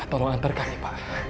tolong antarkan dia pak